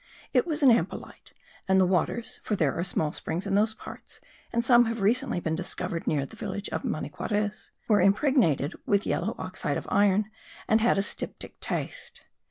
It was an ampelite; and the waters (for there are small springs in those parts, and some have recently been discovered near the village of Maniquarez) were impregnated with yellow oxide of iron and had a styptic taste.